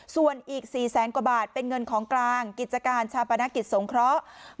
ส่วนอีก๔แสนกว่าบาทเป็นเงินของกลางกิจการชาปนกิจสงเคราะห์